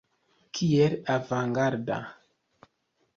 Kiel avangarda!